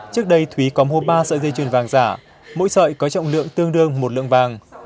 trước đây thúy có mua ba sợi dây chuyền vàng giả mỗi sợi có trọng lượng tương đương một lượng vàng